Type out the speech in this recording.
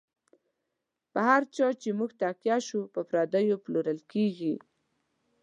په هر چا چی موږ تکیه شو، په پردیو پلورل کیږی